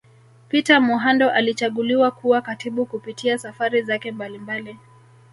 Peter Muhando alichaguliwa kuwa katibu Kupitia Safari zake mbalimbali